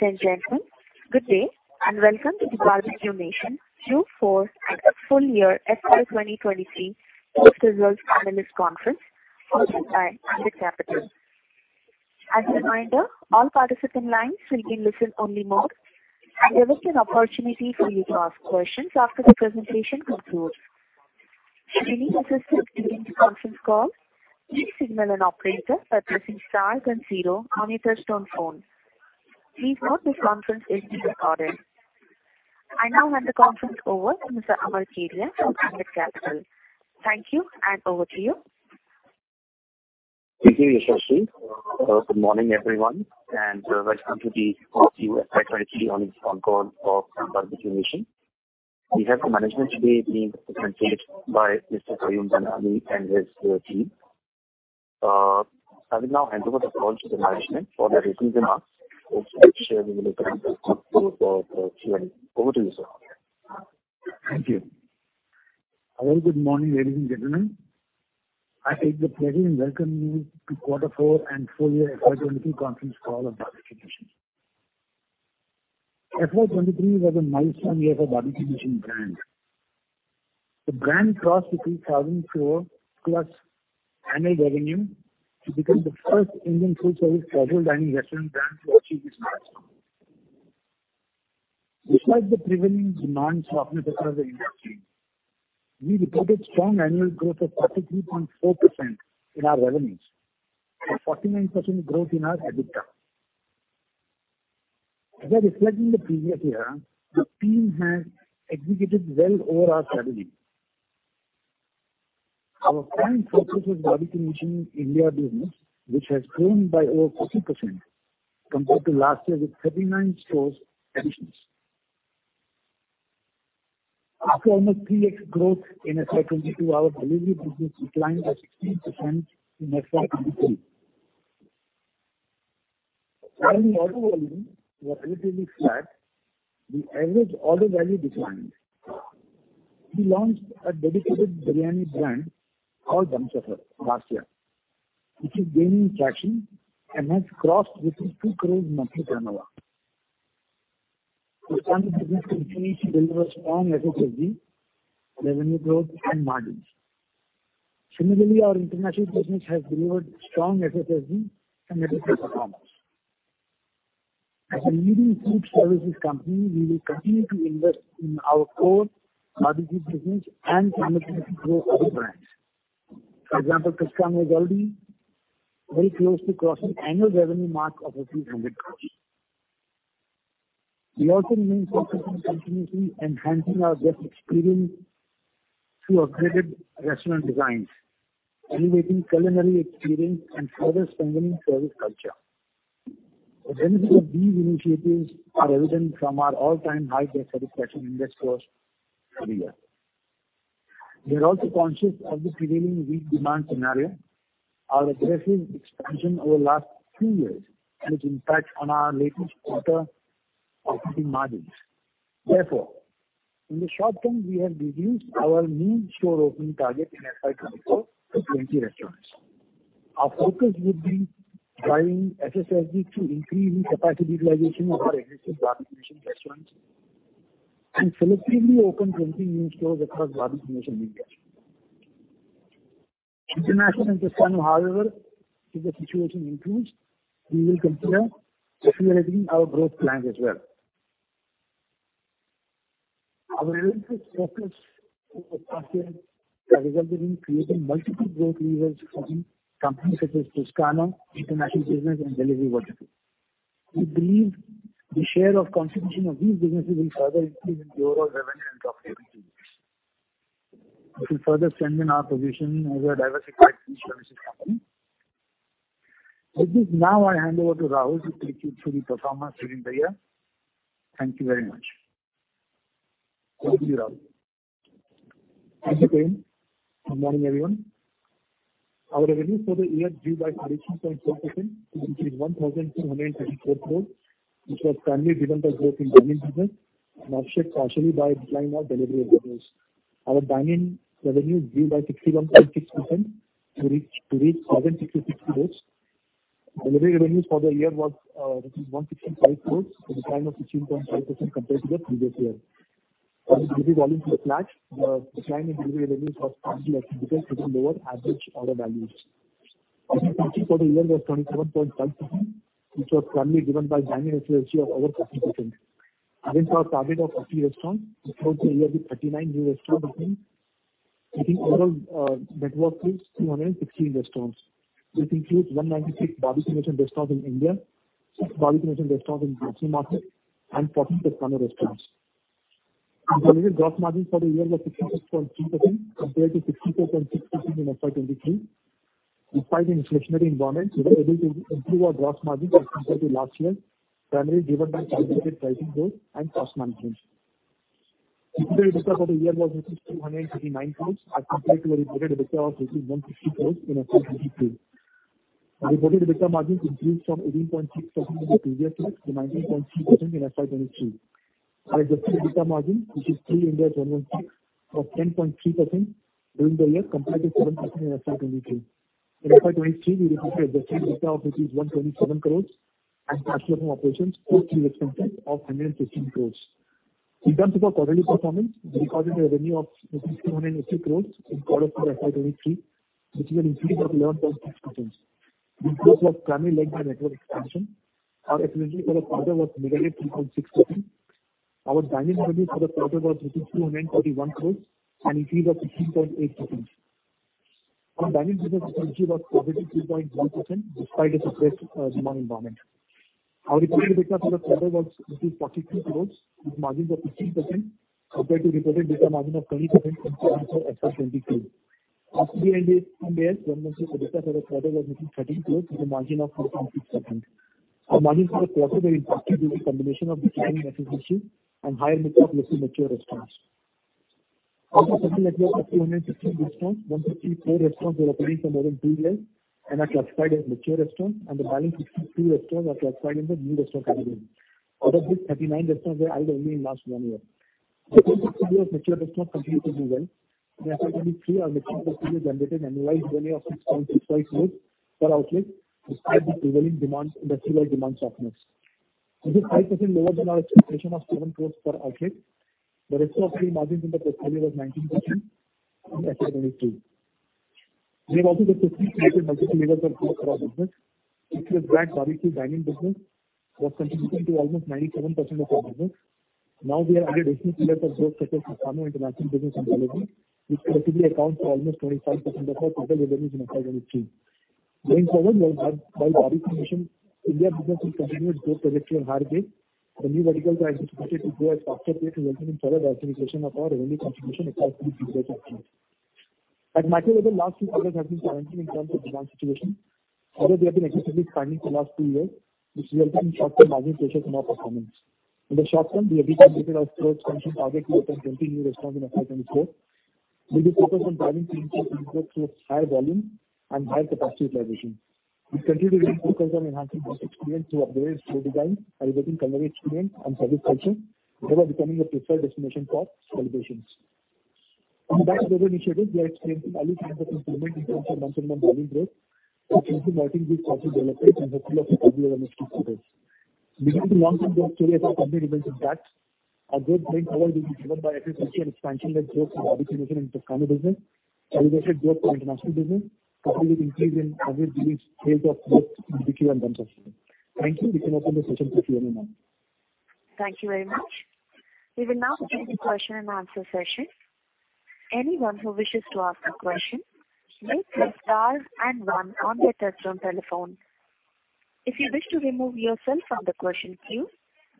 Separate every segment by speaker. Speaker 1: Ladies and gentlemen, good day, and welcome to the Barbeque Nation Q4 and a full year FY 2023 post-results analyst conference hosted by Ambit Capital. As a reminder, all participant lines will be in listen only mode, and there is an opportunity for you to ask questions after the presentation concludes. Should you need assistance during the conference call, please signal an operator by pressing star and zero on your touchtone phone. Please note this conference is being recorded. I now hand the conference over to Mr. Amar Kedia from Ambit Capital. Thank you, and over to you.
Speaker 2: Thank you, Yashasvini. Good morning, everyone, and welcome to the Q4 FY23 Earnings Conference Call for Barbeque Nation. We have the management today being represented by Mr. Kayum Dhanani and his team. I will now hand over the call to the management for their opening remarks. After which, we will open it up for Q&A. Over to you, sir.
Speaker 3: Thank you. A very good morning, ladies and gentlemen. I take the pleasure in welcoming you to quarter four and full year FY 2023 conference call of Barbeque Nation. FY 2023 was a milestone year for Barbeque Nation brand. The brand crossed between 3,000 crores plus annual revenue to become the first Indian food service casual dining restaurant brand to achieve this milestone. Despite the prevailing demand softness across the industry, we reported strong annual growth of 33.4% in our revenues, and 49% growth in our EBITDA. By reflecting the previous year, our team has executed well over our strategy. Our current focus is Barbeque Nation India business, which has grown by over 40% compared to last year with 39 stores additions. After almost 3x growth in FY 2022, our delivery business declined by 16% in FY 2023. While the order volumes were relatively flat, the average order value declined. We launched a dedicated biryani brand called Dum Safar last year, which is gaining traction and has crossed within 2 crores monthly turnover. We found the business continues to deliver strong SSSG, revenue growth, and margins. Similarly, our international business has delivered strong SSSG and EBITDA performance. As a leading food services company, we will continue to invest in our core Barbeque business and organically grow other brands. For example, Toscano is already very close to crossing annual revenue mark of 5,000 crores. We also remain focused on continuously enhancing our guest experience through upgraded restaurant designs, elevating culinary experience, and further strengthening service culture. The benefits of these initiatives are evident from our all-time high guest satisfaction index scores every year. We are also conscious of the prevailing weak demand scenario, our aggressive expansion over the last two years, and its impact on our latest quarter operating margins. Therefore, in the short term, we have reduced our new store opening target in FY 2024 to 20 restaurants. Our focus would be driving SSSG through increasing capacity utilization of our existing Barbeque Nation restaurants and selectively open 20 new stores across Barbeque Nation India. International and Toscano, however, if the situation improves, we will consider accelerating our growth plans as well. Our relentless focus over last year has resulted in creating multiple growth levers for the company, such as Toscano, international business, and delivery vertical. We believe the share of contribution of these businesses will further increase in overall revenue and profitability. This will further strengthen our position as a diversified food services company. With this, now I hand over to Rahul to take you through the performance in detail. Thank you very much. Over to you, Rahul.
Speaker 4: Thank you, Kayum. Good morning, everyone. Our revenue for the year grew by 32.4%, to reach 1,234 crores, which was primarily driven by growth in dine-in business offset partially by decline of delivery revenues. Our dine-in revenue grew by 61.6% to reach INR 1,062 crores. Delivery revenues for the year was rupees INR 165 crores, with a decline of 16.5% compared to the previous year. As delivery volumes were flat, the decline in delivery revenues was partly attributed to the lower average order values. Our EBITDA for the year was 27.5%, which was primarily driven by dine-in EBITDA of over 50%. Against our target of 50 restaurants, we grew the year with 39 new restaurants, taking overall network to 216 restaurants, which includes 196 Barbeque Nation restaurants in India, six Barbeque Nation restaurants in GCC market, and 14 Toscano restaurants. Our consolidated gross margin for the year was 66.3%, compared to 64.6% in FY 2023. Despite the inflationary environment, we were able to improve our gross margin as compared to last year, primarily driven by calculated pricing growth and cost management. EBITDA for the year was 639 crores as compared to a reported EBITDA of 160 crores in FY 2022. Our reported EBITDA margin improved from 18.6% in the previous year to 19.3% in FY 2023. Our adjusted EBITDA margin, which is pre-Ind AS of 10.3% during the year, compared to 7% in FY 2023. In FY 2023, we reported adjusted EBITDA of INR 127 crores and cash flow from operations or OCF of INR 115 crores. In terms of our quarterly performance, we recorded a revenue of INR 282 crores in Q4 FY 2023, which is an increase of 11.6%. The increase was primarily led by network expansion. Our same-store quarter was -3.6%. Our dining revenue for the quarter was INR 241 crores, an increase of 15.8%. Our dining visitor frequency was 32.1%, despite a suppressed demand environment. Our reported EBITDA for the quarter was 32 crores, with margins of 15% compared to reported EBITDA margin of 20% in FY 2022. As we ended the year, revenue for the quarter was INR 13 crores with a margin of 0.6%. Our margins for the quarter were impacted due to a combination of declining efficiency and higher mix of less mature restaurants. Our total network of 215 restaurants, 154 restaurants were operating for more than two years and are classified as mature restaurants, and the balance 52 restaurants are classified under new restaurant category. Out of these, 39 restaurants were added only in last one year. Our mature restaurants continue to do well. In FY 2023, our mature restaurants generated annualized revenue of INR 6.65 crores per outlet, despite the prevailing industrial demand softness. This is 5% lower than our expectation of 7 crore per outlet. The restaurant free margins in the portfolio was 19% in FY 2022. We have also got 55 multi-level restaurants business, which is a brand Barbeque Nation dining business, was contributing to almost 97% of our business. We have added additional pillars of growth, such as Toscano International Business and Delivery, which collectively account for almost 25% of our total revenue in FY 2022. Going forward, while Barbeque Nation India business will continue its growth trajectory on higher base, the new verticals are anticipated to grow at faster pace, resulting in further diversification of our revenue contribution in FY 2024 onwards. At macro level, last few quarters have been challenging in terms of demand situation, although we have been aggressively expanding for the last two years, which resulted in short-term margin pressure in our performance. In the short term, we have reconfirmed our store expansion target to open 20 new restaurants in FY 2024. We'll be focused on driving same-store growth through higher volume and higher capacity utilization. We continue to remain focused on enhancing guest experience through upgraded store design, elevating culinary experience and service culture, thereby becoming a preferred destination for celebrations. On the back of those initiatives, we are experiencing early signs of improvement in terms of month-on-month volume growth, which we think will continue developing and hopefully over the next few quarters. Beginning to long-term growth story as our company remains intact. Our growth going forward will be driven by aggressive expansion-led growth in Barbeque Nation and Toscano business, alongside growth in international business, coupled with increase in average billings sales of both BBQ and Toscano. Thank you. We can open the session for Q&A now.
Speaker 1: Thank you very much. We will now begin the question and answer session. Anyone who wishes to ask a question, may press star and one on their touchtone telephone. If you wish to remove yourself from the question queue,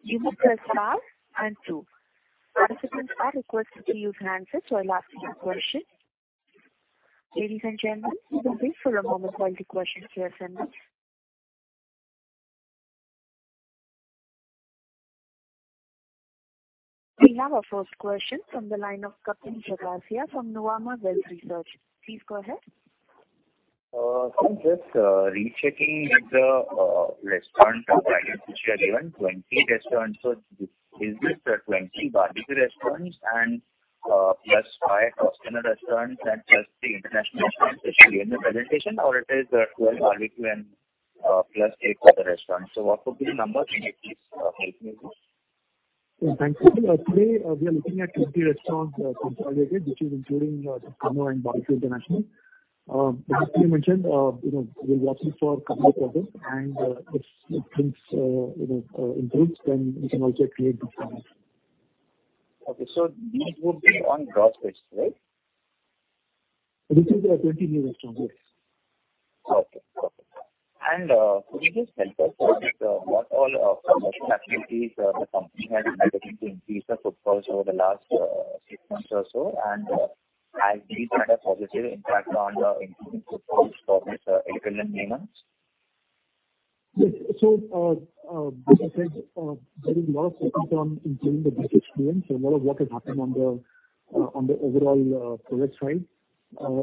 Speaker 1: you may press star and two. Participants are requested to use handsets while asking questions. Ladies and gentlemen, we will wait for a moment while the questions are assembled. We have our first question from the line of Kapil Jagasia from Nuvama Wealth Research. Please go ahead.
Speaker 5: Just rechecking the restaurant guidance which you have given, 20 restaurants. Is this 20 Barbeque restaurants and plus five Toscano restaurants and plus the international restaurants, which you gave in the presentation, or it is 12 Barbeque and plus eight Toscano restaurants? What would be the number? Please help me with this.
Speaker 4: Thank you. Today, we are looking at 20 restaurants, consolidated, which is including, Toscano and Barbeque International. As you mentioned, you know, we'll watch this for couple of quarters, and if things, you know, improves, then we can also create different options.
Speaker 5: Okay. This would be on gross basis, right?
Speaker 4: This is the 20 new restaurants, yes.
Speaker 5: Okay, perfect. Could you just help us with what all promotion activities the company has undertaken to increase the footfalls over the last six months or so? Has these had a positive impact on the increasing footfalls for this independent nine months?
Speaker 4: Yes. As I said, there is a lot of focus on improving the guest experience and lot of work has happened on the overall product side.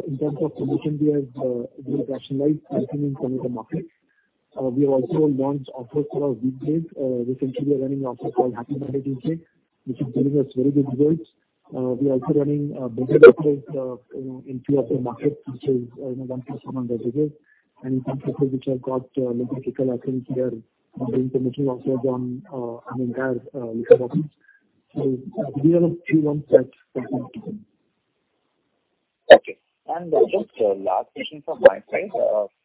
Speaker 4: In terms of promotion, we have rationalized marketing in terms of the market. We have also launched offers for our weekdays. Recently, we are running an offer called Happy Monday Tuesday, which is delivering us very good results. We are also running bigger operators, you know, in few of the markets, which is, you know, one plus one on beverages. In some markets which have got liquor, I think we are doing promotional offers on an entire liquor options. We have a few ones that contribute.
Speaker 5: Okay. Just last question from my side.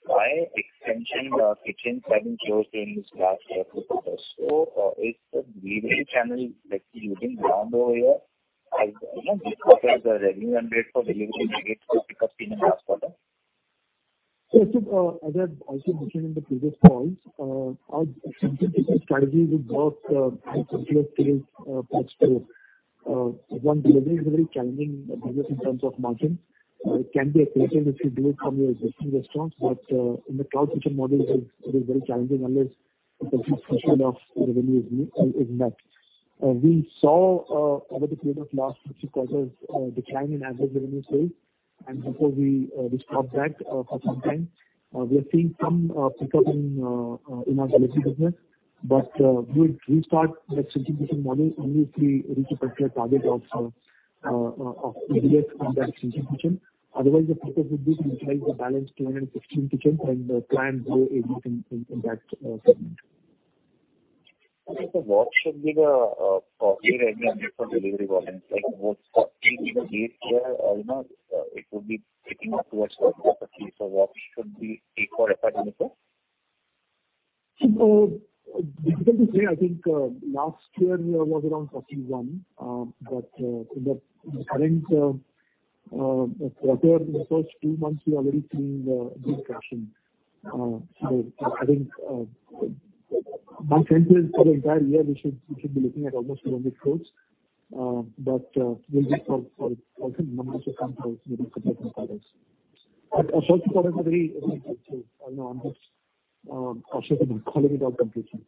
Speaker 5: Why extension kitchens have been closed in this last quarter? Is the delivery channel, like, looking down over here? Like, you know, because the revenue and rate for delivery negative pick up in the last quarter.
Speaker 4: As I've also mentioned in the previous calls, our extension strategy will work by central retail parts store. One, delivery is a very challenging business in terms of margins. It can be a positive if you do it from your existing restaurants, but in the cloud kitchen model, it is very challenging unless a complete portion of the revenue is met. We saw over the period of last six quarters decline in average revenue sales. Before we stopped that for some time. We are seeing some pickup in our delivery business. We'll restart that kitchen model only if we reach a particular target of business from that kitchen. Otherwise, the focus would be to utilize the balance 215 kitchen and plan grow in that segment.
Speaker 5: What should be the target for delivery volume? Like, what date here, or not, it would be picking up towards the end of the year. What should we take for FY 2024?
Speaker 4: Difficult to say. I think, last year we were around 41%. In the current quarter, in the first two months, we are already seeing good traction. I think, my sense is for the entire year, we should be looking at almost around the growth. We'll just also numbers will come close maybe compared to others. I thought it was a very, you know, I'm just also quality completely.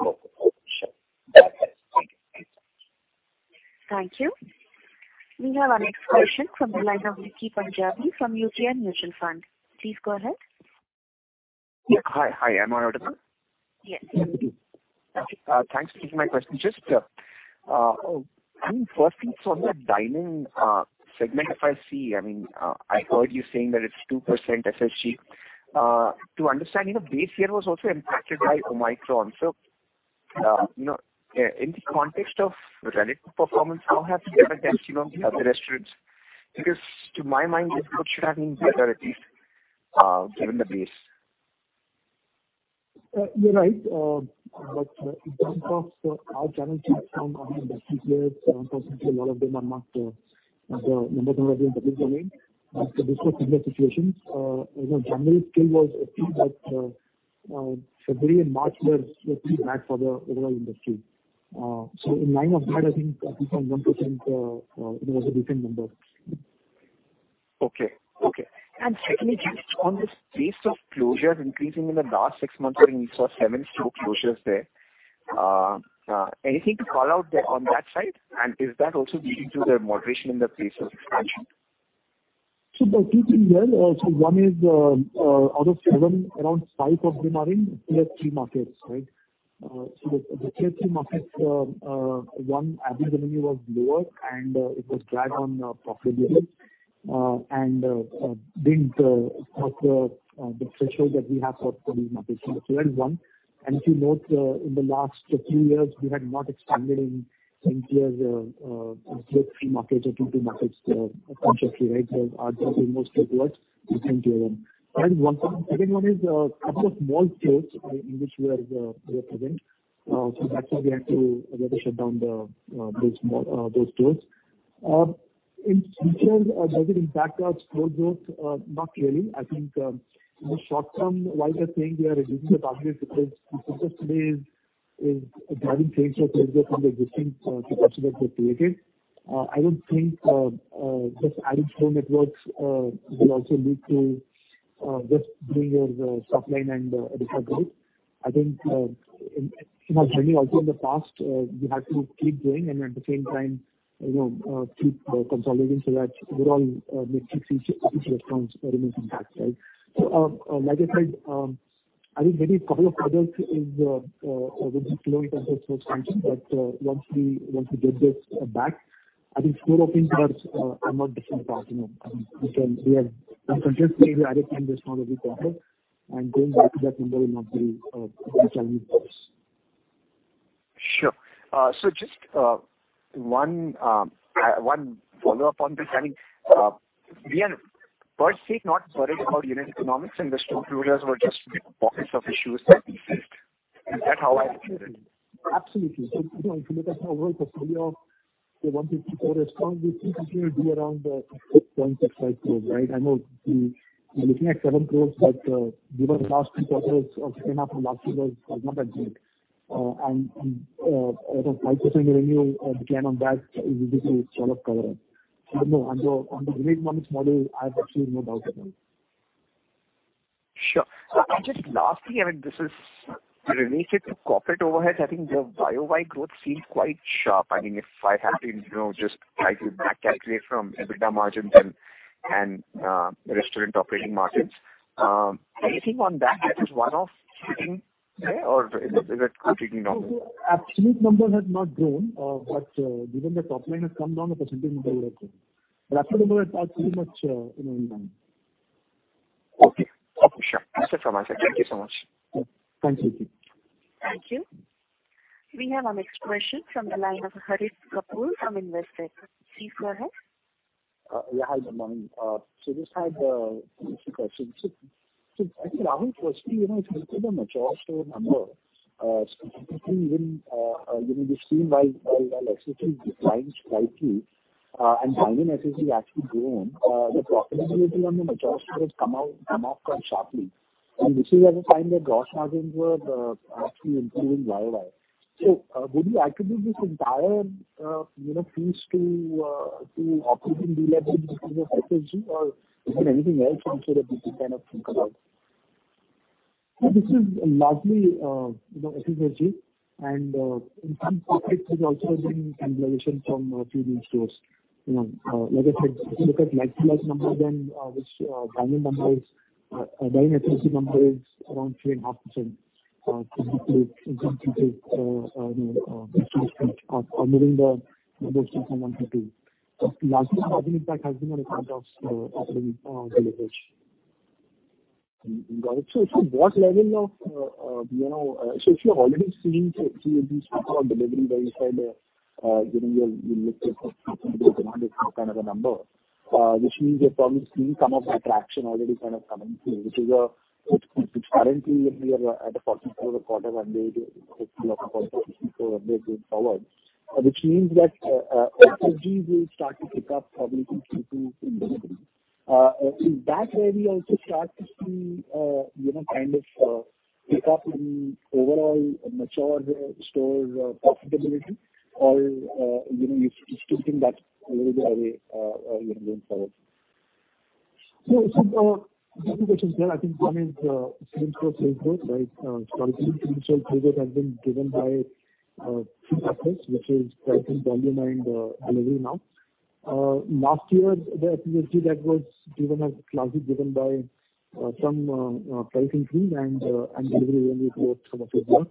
Speaker 5: Okay. Sure. Thank you.
Speaker 1: Thank you. We have our next question from the line of Vicky Punjabi from UTI Mutual Fund. Please go ahead.
Speaker 6: Yeah. Hi, hi, am I on the line?
Speaker 1: Yes.
Speaker 6: Thanks for taking my question. Just, I mean, firstly, from the dine-in segment, if I see, I mean, I heard you saying that it's 2% SSG. To understand, you know, base year was also impacted by Omicron. You know, in the context of relative performance, how has it compared to, you know, the other restaurants? To my mind, it should have been better, at least, given the base.
Speaker 4: You're right. In terms of our channel check from last two years, 7%, a lot of them are marked as a number 1 in the public domain. This was similar situations. You know, January still was okay, but February and March were pretty bad for the overall industry. In line of that, I think 41%, it was a different number.
Speaker 6: Okay. Okay. Secondly, just on this pace of closures increasing in the last six months, I mean, we saw seven store closures there. Anything to call out there on that side, and is that also leading to the moderation in the pace of expansion?
Speaker 4: There are two things there. One is out of seven, around five of them are in Tier 3 markets, right? The Tier-3 markets, one, average revenue was lower and it was dragged on profitability and didn't have the threshold that we have for these markets. That is one. If you note, in the last few years, we had not expanded in Tier 3 markets or Tier 2 markets consciously, right? Because our focus was mostly towards the Tier 1. Second one is couple of small stores in which we are present. That's why we had to shut down those small stores. In future, does it impact our store growth? Not really. I think, in the short term, while we are saying we are reducing the targets, because the success today is driving change from the existing capacity that we created. I don't think, just adding store networks will also lead to just doing your top line and EBITDA growth. I think, you know, generally, also in the past, we had to keep doing and at the same time, you know, keep consolidating so that overall, the 60 restaurants are remaining intact, right? Like I said, I think maybe a couple of others is will be slow in terms of growth function, but once we, once we get this back, I think store openings are not different part, you know. I mean, we can, just maybe adding them is not a big problem. Going back to that number will not be a challenge for us.
Speaker 6: Sure. Just one follow-up on this. I mean, we are, per se, not worried about unit economics, and the store closures were just pockets of issues that exist. Is that how I understand?
Speaker 4: Absolutely. You know, if you look at our growth for full year, the one two people response, we think we will be around 6.65 crores growth, right? I know we are looking at 7 crores, given the last two quarters of second half of last year was not that great. And, out of 5% revenue decline on that is obviously a lot of cover-up. No, on the, on the unit economics model, I have absolutely no doubt about it.
Speaker 6: Sure. Just lastly, I mean, this is related to corporate overheads. I think the year-over-year growth seems quite sharp. I mean, if I had to, you know, just try to back calculate from EBITDA margins and restaurant operating margins, anything on that, is it one-off hitting there, or is it continuing normal?
Speaker 4: Absolute number has not grown, given the top line has come down, the percentage is very okay. Absolutely, it's not pretty much, you know, in line.
Speaker 6: Okay. Sure. That's it from my side. Thank you so much.
Speaker 4: Thank you.
Speaker 1: Thank you. We have our next question from the line of Harit Kapoor from Investec. Please go ahead.
Speaker 7: Yeah, hi, good morning. Just had two questions. Actually, Rahul, firstly, you know, if you look at the mature store number, specifically even, you know, we've seen while SSG declines slightly, and dine-in SSG actually grown, the profitability on the mature stores come off quite sharply, and this is at a time where gross margins were actually improving year-over-year. Would you attribute this entire, you know, piece to operating leverage in your strategy, or is there anything else which we should kind of think about?
Speaker 4: This is largely, you know, efficiency and in some pockets, there's also been cannibalization from a few new stores. You know, like I said, if you look at like-to-like numbers, which volume number is volume efficiency number is around 3.5%. Physically, you know, including the stores from one to two. Largely, I think that has been on account of operating leverage.
Speaker 7: Got it. What level of, you know, if you're already seeing some of these sort of delivery, where you said, you know, you're looking for demand is now kind of a number, which means you're probably seeing some of that traction already kind of coming through, which is currently when we are at the 44th quarter, one day, 50 or 46th quarter going forward. Means that OCF will start to pick up probably from Q2. Is that where we also start to see, you know, kind of, pick up in overall mature store profitability, or, you know, you're expecting that little bit away, going forward?
Speaker 4: Two questions there. I think one is, same store sales growth, right. Traditional trade has been driven by two factors, which is pricing, volume and delivery now. Last year, the efficiency that was given as largely given by, some, pricing freeze and delivery when we brought some of it there,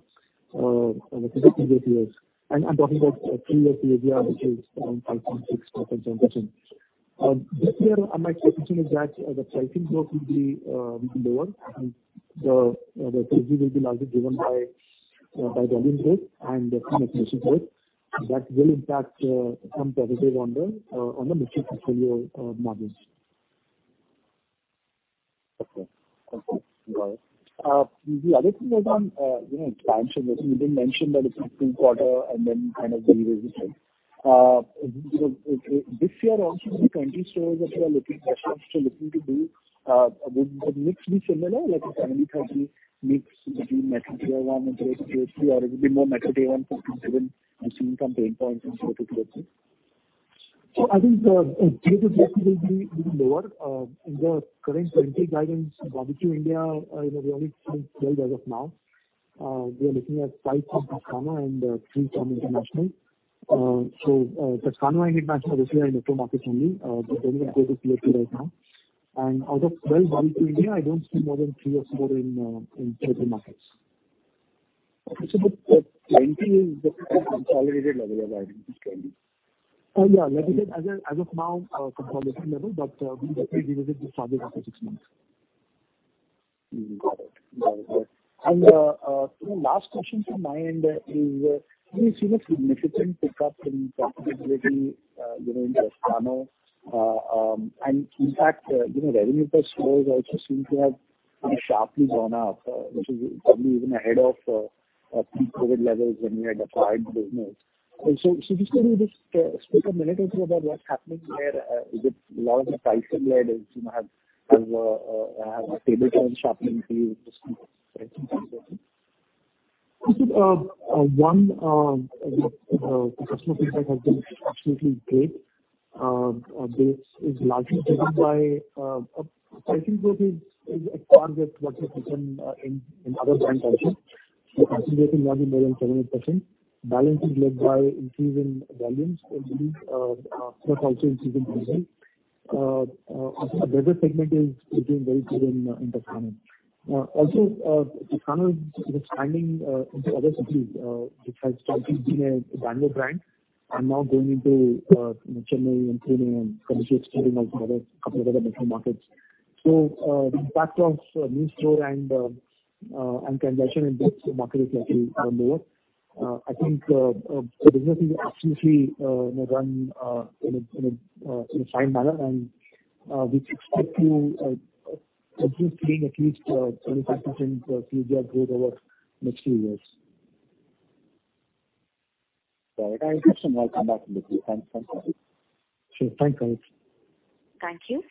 Speaker 4: in previous years. I'm talking about three years CAGR, which is around 5.6%. This year, I might expect you that the pricing growth will be lower, and the SSSG will be largely driven by volume growth and some efficiency growth. That will impact some positive on the mixture portfolio margins.
Speaker 7: Okay. Okay, got it. The other thing was on, you know, expansion. You did mention that it's a full quarter and then kind of deliver result. This year also, the 20 stores that you are looking, still looking to do, would the mix be similar, like a 70/30 mix between metro Tier 1 and Tier 3, or it will be more metro Tier 1, 47, and seeing some pain points in Tier 2, Tier 3?
Speaker 4: I think Tier 2, Tier 3 will be lower. In the current 20 guidance, Barbeque India, you know, we only seeing 12 as of now. We are looking at five from Toscano and three from international. Toscano I think, are mostly in metro markets only, but then go to Tier 2 right now. Out of 12 Barbeque India, I don't see more than three or four in Tier 2 markets.
Speaker 7: Okay. 20 is the consolidated level of items is 20?
Speaker 4: Yeah, level as of, as of now, consolidation level, but we definitely revisit this target after six months.
Speaker 7: Got it. Got it. The last question from my end is, we've seen a significant pickup in profitability, you know, in Toscano. And in fact, revenue per store also seems to have sharply gone up, which is probably even ahead of pre-COVID levels when we had acquired the business. So just could you just speak a minute or two about what's happening there? Is it a lot of the pricing led, as you have table turn sharply to you just recently?
Speaker 4: One, the customer feedback has been absolutely great. This is largely driven by, I think growth is at par with what we've seen in other brand countries. So I think maybe more than 7%. Balance is led by increase in volumes, and really, but also increasing easily. A better segment is looking very good in Toscano. Also, Toscano is expanding into other cities. It has started being a Bangalore brand and now going into Chennai and Pune and Mumbai, as well as a couple of other metro markets. The impact of new store and transaction in this market is actually lower. I think the business is absolutely run in a fine manner, we expect to at least seeing at least 25% CAGR growth over next few years.
Speaker 7: Got it. I think I'll come back to you. Thank you.
Speaker 4: Sure. Thank you.
Speaker 1: Thank you.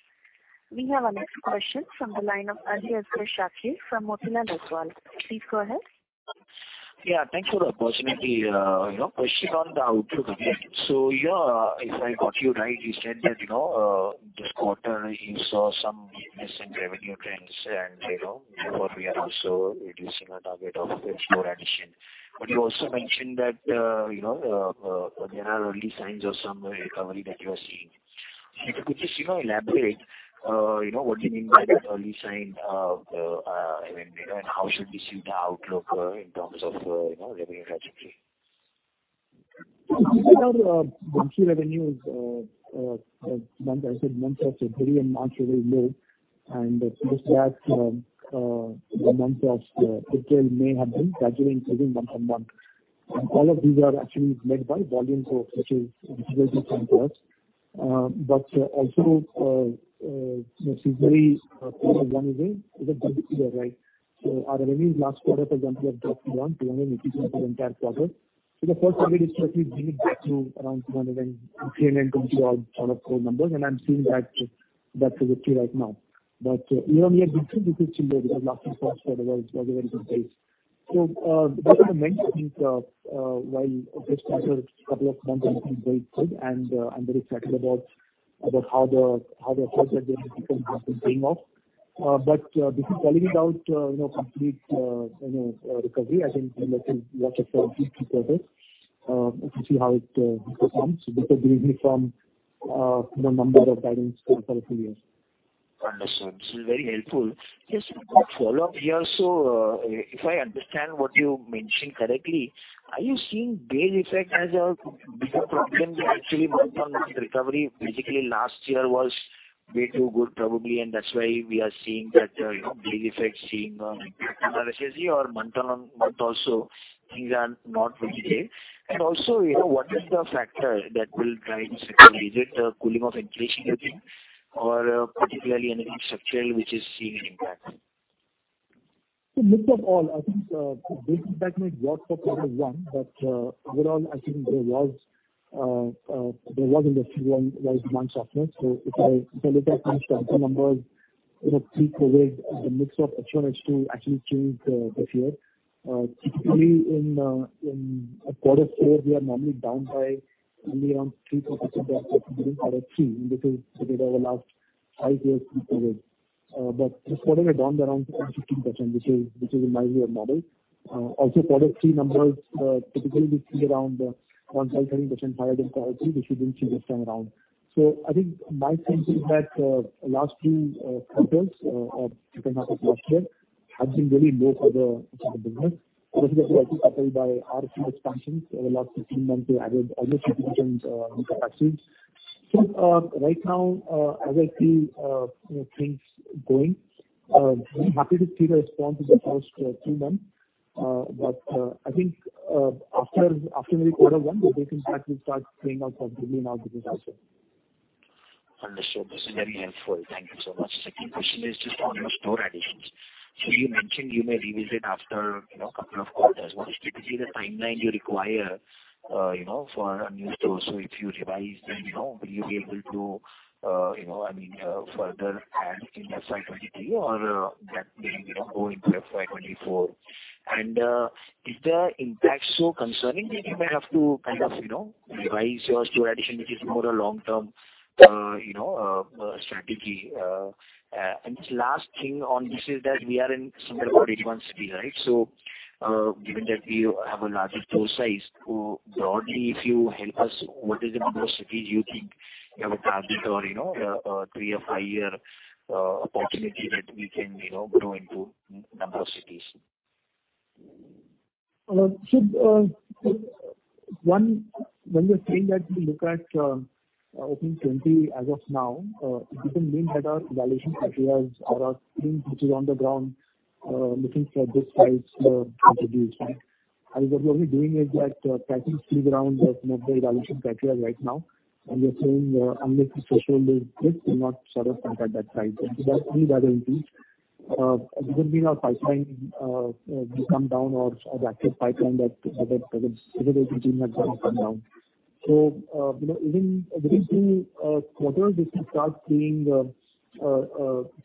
Speaker 1: We have our next question from the line of Aliasgar Shakir from Motilal Oswal. Please go ahead.
Speaker 8: Yeah, thanks for the opportunity. Your question on the outlook. Yeah, if I got you right, you said that, you know, this quarter you saw some recent revenue trends and, you know, therefore we are also reducing our target of store addition. You also mentioned that, you know, there are early signs of some recovery that you are seeing. If you could just, you know, elaborate, you know, what do you mean by that early sign of, I mean, and how should we see the outlook, in terms of, you know, revenue trajectory?
Speaker 4: Our revenue is as I said, month of February and March were low, and just that the month of April, May have been gradually improving month-on-month. All of these are actually led by volume growth, which is difficult in some parts. Also, you know, seasonally, one is a right. Our revenue last quarter, for example, dropped 1, 280 for the entire quarter. The first quarter is likely to around 203 and 20 or four numbers, and I'm seeing that positively right now. You know, we are bit concerned because last year was a very good base. Those are the main things, while just couple of months looking very good, and, I'm very excited about how the efforts that different have been paying off. This is definitely without, you know, complete, you know, recovery. I think what is a complete process to see how it performs, because believe me from, you know, number of guidance for a few years.
Speaker 8: Understood. This is very helpful. Just a quick follow up here. If I understand what you mentioned correctly, are you seeing base effect as a bigger problem than actually month-on-month recovery? Basically, last year was way too good, probably, and that's why we are seeing that, you know, base effect seeing, or month-on-month also, things are not very clear. You know, what is the factor that will drive the second visit, cooling of inflation, you think, or particularly anything structural which is seeing an impact?
Speaker 4: Mix of all, I think, base effect might work for quarter one, but overall, I think there was industry-wide month after. If I look at numbers, you know, pre-COVID, the mix of H1 H2 actually changed this year. Typically in a quarter four, we are normally down by only around 3%-4% quarter three, and this is the data over the last five years pre-COVID. This quarter we're down around 15%, which is in my view, a model. Also, quarter three numbers, typically we see around 1.3% higher than quarter three, which didn't change this time around. I think my sense is that last few quarters of last year have been really low for the business, I think, coupled by our few expansions over the last 16 months, we added almost 50% capacities. Right now, as I see, you know, things going, very happy to see the response in the first three months. I think after the quarter one, the base impact will start paying off for me and our business as well.
Speaker 8: Understood. This is very helpful. Thank you so much. Second question is just on your store additions. You mentioned you may revisit after, you know, a couple of quarters. What is typically the timeline you require, you know, for a new store? If you revise, then, you know, will you be able to, you know, I mean, further add in FY 2023 or that may, you know, go into FY 2024. Is the impact so concerning that you may have to kind of, you know, revise your store addition, which is more a long-term, you know, strategy? Last thing on this is that we are in somewhere around 81 cities, right? Given that we have a larger store size, so broadly, if you help us, what is the number of cities you think you have a target or, you know, a three or five year opportunity that we can, you know, grow into number of cities?
Speaker 4: One, when you're saying that we look at, opening 20 as of now, it doesn't mean that our evaluation criteria or our team, which is on the ground, looking for this price, introduced, right. What we're doing is that packing free ground of evaluation criteria right now, and we're saying, unless the social base risk will not sort of come at that price. That need are increased. It doesn't mean our pipeline, do come down or the active pipeline that team has come down. You know, even within two quarters, we can start seeing the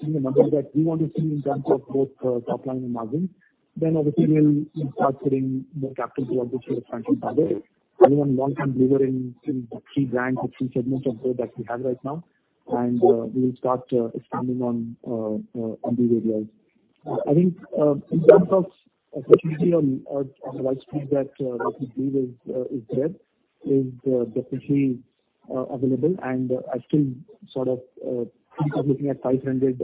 Speaker 4: numbers that we want to see in terms of both top line and margins, then obviously we'll start putting more capital to other financial targets, and even long-term delivering in the three brands or three segments of work that we have right now. We will start expanding on these areas. I think in terms of opportunity on the right street, that is there, is definitely available. I still sort of looking at 500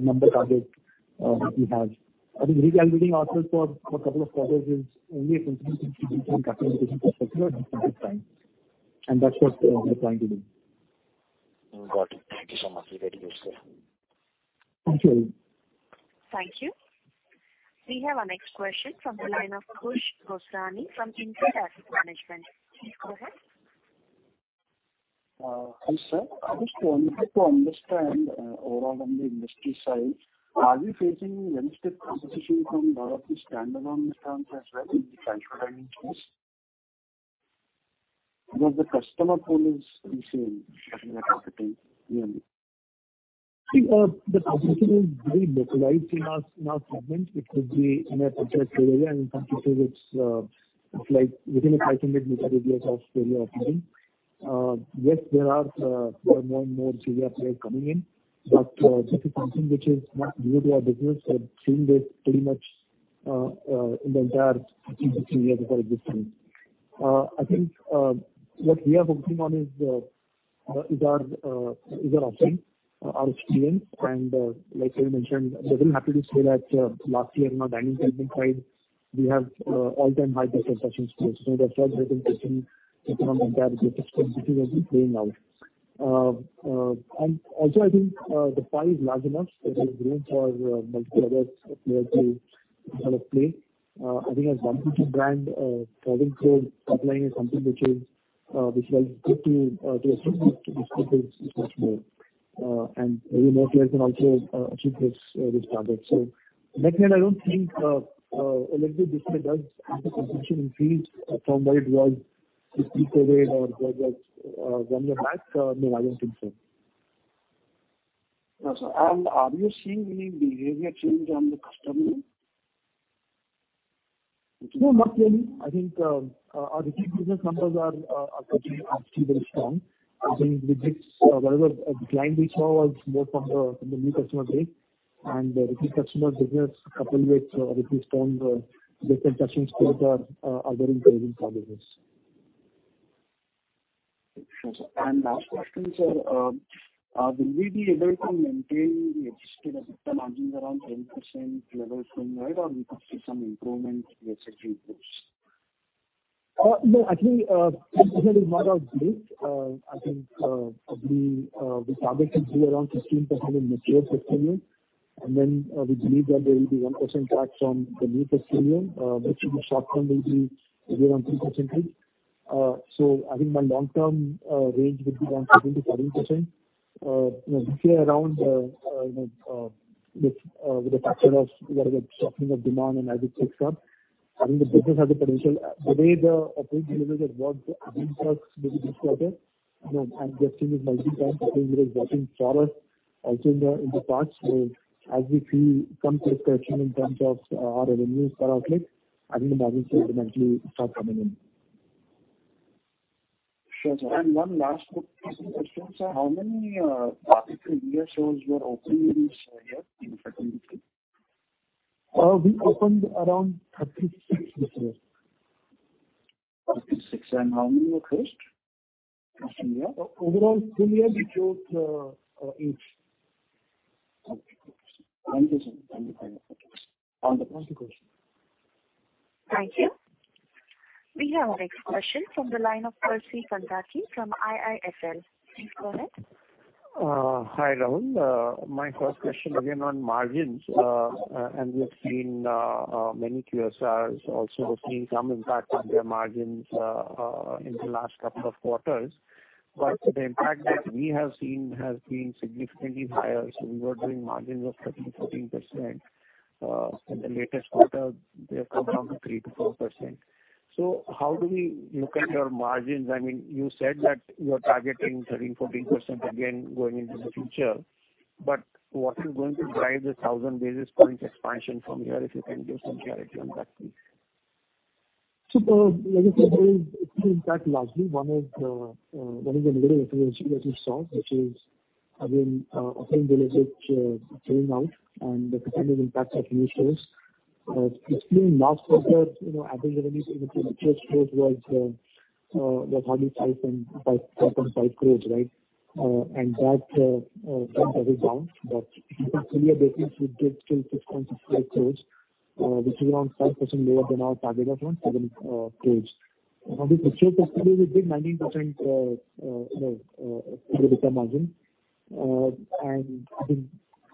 Speaker 4: number target that we have. I think reevaluating ourselves for a couple of quarters is only a consistent perspective at this point in time, and that's what we're planning to do.
Speaker 8: Got it. Thank you so much. You're very useful.
Speaker 4: Thank you.
Speaker 1: Thank you. We have our next question from the line of Khush Gosrani from InCred Asset Management. Please go ahead.
Speaker 9: Hi, sir, I just wanted to understand, overall, on the industry side, are you facing any stiff competition from lot of the standalone stands as well in the cash management? Because the customer pool is the same in the market, really.
Speaker 4: I think the competition is very localized in our segment. It could be in a particular area, and in some cases it's like within a 500 meter radius of area operating. Yes, there are more and more serious players coming in, but this is something which is not new to our business. I've seen this pretty much in the entire years of our existence. I think what we are focusing on is our offering, our experience. Like I mentioned, I'm very happy to say that last year in our dining side, we have all-time high customer sessions. That's why we continue to compare the potential playing out. Also, I think the pie is large enough. There is room for multiple other players to kind of play. I think as one or two brand driving growth, applying something which is which was good to a certain extent, and many more players can also achieve this target. Net-net, I don't think electric business does have the competition increased from what it was with pre-COVID or one year back, no, I don't think so.
Speaker 9: Are you seeing any behavior change on the customer?
Speaker 4: No, not really. I think our repeat business numbers are actually very strong. I think the mix whatever decline we saw was more from the new customer base, and the repeat customer business, coupled with a repeat strong customer touching skills are very improving for business.
Speaker 9: Sure, sir. Last question, sir, will we be able to maintain the existing EBITDA margins around 10% level going right, or we could see some improvement as it improves?
Speaker 4: No, I think this is not our belief. I think probably we target to be around 16% in mature portfolio, and then we believe that there will be 1% tax on the new portfolio, which in the short term will be around 3% increase. I think my long term range will be around 13%-14%. you know, around you know, with with the factor of whatever softening of demand and as it picks up, I think the business has the potential. The way the operating leverage has worked, I think maybe better, you know, I'm guessing it might be time, because it was working for us also in the, in the past, where as we feel some pressure in terms of our revenues per outlet, I think the margins will eventually start coming in.
Speaker 9: Sure, sir. One last question, sir. How many Barbeque Nation India stores you are opening in this year, in 2023?
Speaker 4: We opened around 36 this year.
Speaker 9: 36. How many were closed last year?
Speaker 4: Overall, full year, we closed, eight.
Speaker 9: Okay. Thank you, sir.
Speaker 4: Thank you for your questions.
Speaker 1: Thank you. We have our next question from the line of Percy Panthaki from IIFL. Please go ahead.
Speaker 10: Hi, Rahul. My first question again on margins. We have seen many QSRs also have seen some impact on their margins in the last couple of quarters. The impact that we have seen has been significantly higher. We were doing margins of 13%-14%. In the latest quarter, they have come down to 3%-4%. How do we look at your margins? I mean, you said that you are targeting 13%-14% again going into the future, but what is going to drive the 1,000 basis points expansion from here, if you can give some clarity on that, please?
Speaker 4: Like I said, it will impact largely one of the, one of the major efficiency that we saw, which is, I mean, operating leverage, filling out and the potential impact of new stores. It's been last quarter, you know, average revenues, even if first quarter was hardly INR 5.5 crores, right? That came as a down, but on a clear basis, we get to INR 6.65 crores, which is around 5% lower than our target of around 7 crores. On this portfolio, we did 19% EBITDA margin. I think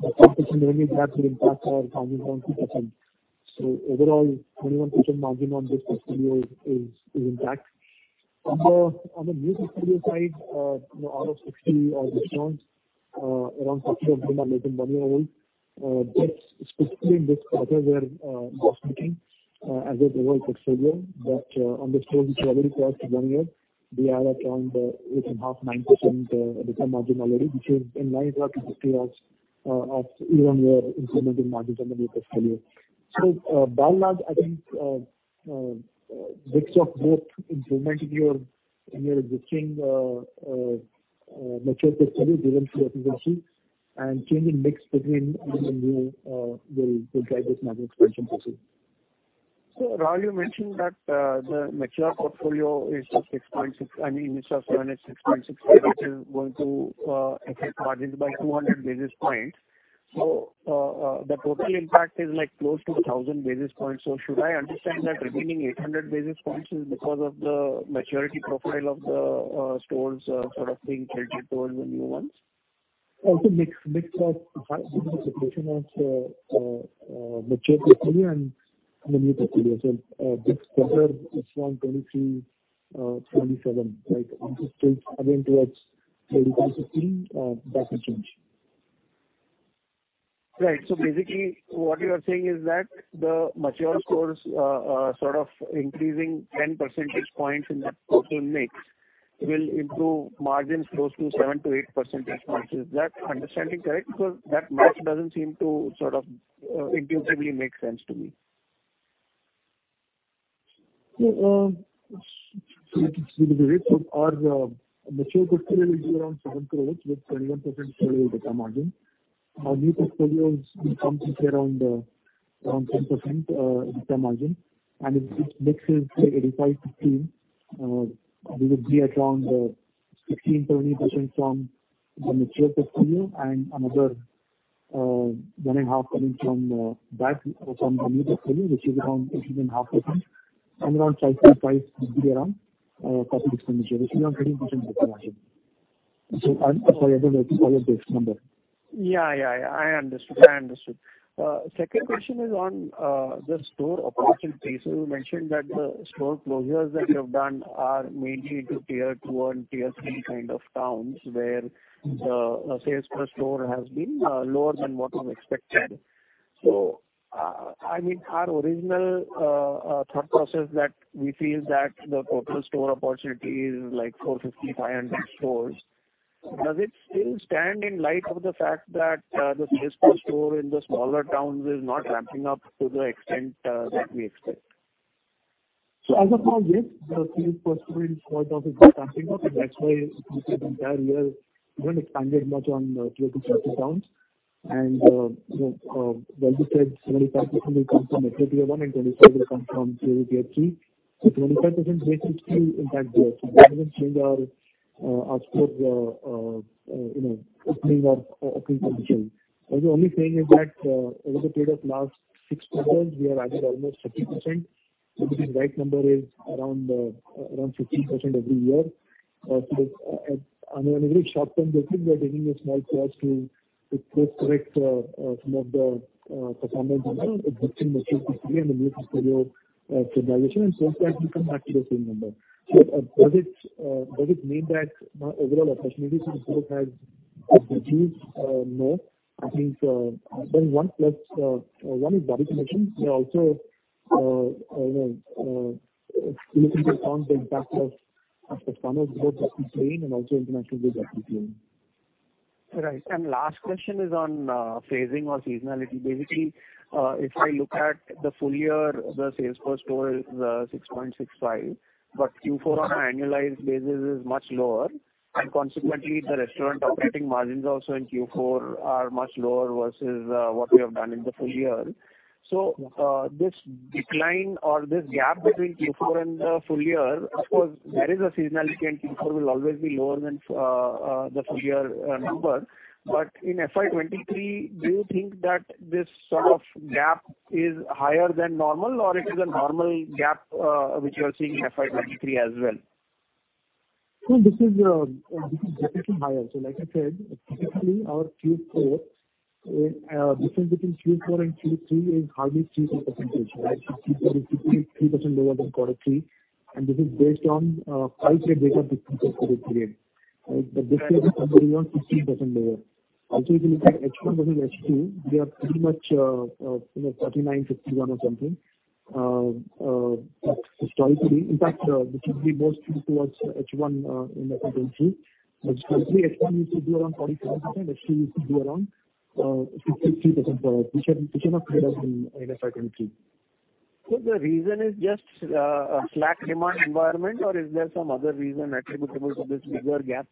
Speaker 4: the 5% revenue impact will impact our 1,000.2%. Overall, 21% margin on this portfolio is intact. On the new portfolio side, you know, out of 60 or restaurants, around 50 of them are less than one year old. Specifically in this quarter, we are last meeting as an overall portfolio. On the stores which already crossed one year, we are at around 8.5%, 9% EBITDA margin already, which is in line with our strategy of even we are implementing margins on the new portfolio. By and large, I think mix of both improvement in your existing mature portfolio given to efficiency and changing mix between will drive this margin expansion also.
Speaker 10: Rahul, you mentioned that, the mature portfolio is I mean, it's just 6.6%, which is going to affect margins by 200 basis points. The total impact is like close to 1,000 basis points. Should I understand that remaining 800 basis points is because of the maturity profile of the stores, sort of being tilted towards the new ones?
Speaker 4: Mix of mature portfolio and the new portfolio. Mix is from 23, 27, right? I think towards 2015, that will change.
Speaker 10: Right. Basically, what you are saying is that the mature stores, sort of increasing 10 percentage points in the total mix will improve margins close to 7-8 percentage points. Is that understanding correct? Because that math doesn't seem to sort of, intuitively make sense to me.
Speaker 4: Our mature portfolio is around 7 crore with 21% portfolio EBITDA margin. Our new portfolio is something around 10% EBITDA margin, and if this mix is say 85, 15, we would be at around 16%-17% from the mature portfolio and another 1.5% coming from the new portfolio, which is around 8.5%, and around 5.5% will be around capital expenditure, which is around 30% EBITDA margin. I'm sorry, I don't know your base number.
Speaker 10: Yeah, yeah, I understood. I understood. Second question is on the store operational pieces. You mentioned that the store closures that you have done are mainly to Tier 2 and Tier 3 kind of towns, where the sales per store has been lower than what you expected. I mean, our original thought process that we feel that the total store opportunity is like 450, 500 stores. Does it still stand in light of the fact that the sales per store in the smaller towns is not ramping up to the extent that we expect?
Speaker 4: As of now, yes, the sales per store in small towns is not ramping up, and that's why entire year we haven't expanded much on Tier 2, Tier 3 towns. You said 75% will come from a Tier 1 and 25 will come from Tier 2, Tier 3. 25% basically still impact there. That doesn't change our scope, opening conditions. What we're only saying is that over the period of last six quarters, we have added almost 30%, so the right number is around 15% every year. On a very short-term basis, we are taking a small pause to correct some of the performance and so on that we come back to the same number. Does it mean that our overall opportunities in the future has reduced? No. I think there's one plus, one is body condition. We are also, you know, looking to account the impact of the summers both this year and also international this year.
Speaker 10: Right. Last question is on phasing or seasonality. Basically, if I look at the full year, the sales per store is 6.65, but Q4 on an annualized basis is much lower. Consequently, the restaurant operating margins also in Q4 are much lower versus what we have done in the full year. This decline or this gap between Q4 and the full year, of course, there is a seasonality, and Q4 will always be lower than the full year number. In FY 2023, do you think that this sort of gap is higher than normal, or it is a normal gap which you are seeing in FY 2023 as well?
Speaker 4: No, this is definitely higher. Like I said, typically, our Q4 difference between Q4 and Q3 is hardly 3%-4%, right? Q4 is 53% lower than Q3, and this is based on five-year data for this period. This year is completely on 15% lower. If you look at H1 versus H2, they are pretty much 39%, 51% or something historically. In fact, this should be more skewed towards H1 in FY 2023. H1 used to be around 47%, H2 used to be around 53%, which are not clear in FY 2023.
Speaker 10: The reason is just a slack demand environment, or is there some other reason attributable to this bigger gap?